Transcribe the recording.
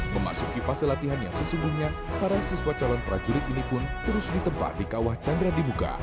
memasuki fase latihan yang sesungguhnya para siswa calon prajurit ini pun terus ditempat di kawah chandra di muka